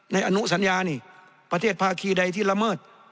อนุสัญญานี่ประเทศภาคีใดที่ละเมิด